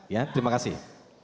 ya terima kasih